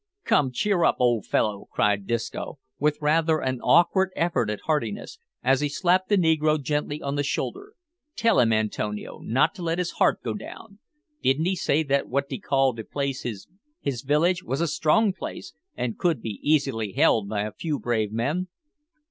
"Come, cheer up, old fellow," cried Disco, with rather an awkward effort at heartiness, as he slapped the negro gently on the shoulder; "tell him, Antonio, not to let his heart go down. Didn't he say that what dee call the place his village was a strong place, and could be easily held by a few brave men?"